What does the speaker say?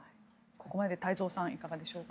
ここまでで太蔵さんいかがでしょうか。